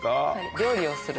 料理をする。